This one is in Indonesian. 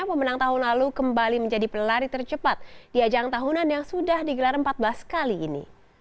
pemenang tahun lalu kembali menjadi pelari tercepat di ajang tahunan yang sudah digelar empat belas kali ini